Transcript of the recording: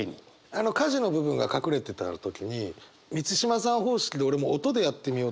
あの「火事」の部分が隠れてた時に満島さん方式で俺も音でやってみようと思って。